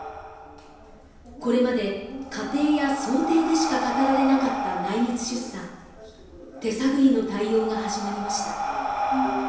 これまで仮定や想定でしか語られなかった内密出産手探りの対応が始まりました